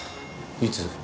いつ？